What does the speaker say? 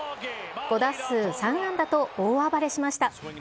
５打数３安打と大暴れしました。